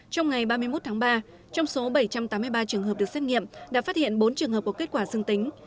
trong ngày ba mươi một tháng ba trong số bảy trăm tám mươi ba trường hợp được xét nghiệm đã phát hiện bốn trường hợp có kết quả dương tính